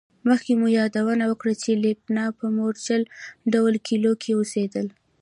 مخکې مو یادونه وکړه چې لېلیان په مورچل ډوله کلیو کې اوسېدل